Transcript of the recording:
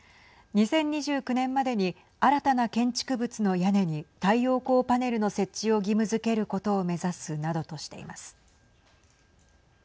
２０２９年までに新たな建築物の屋根に太陽光パネルの設置を義務づけることを目指すなどとしています。